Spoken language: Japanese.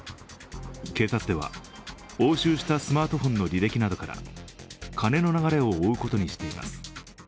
警察では、押収したスマートフォンの履歴などから金の流れを追うことにしています。